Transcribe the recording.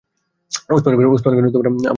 ওসমান গনি আমার ছেলেবেলার বন্ধু!